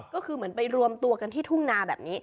ก็คือเหมือนไปรวมตัวกันที่ทุ่งนาแบบนี้